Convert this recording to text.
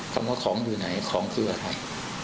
คำว่าของอยู่ไหนของคืออะไร